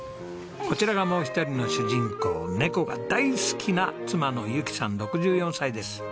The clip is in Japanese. こちらがもう一人の主人公ネコが大好きな妻の由紀さん６４歳です。